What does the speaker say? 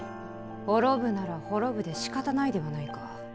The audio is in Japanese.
滅ぶなら滅ぶでしかたないではないか。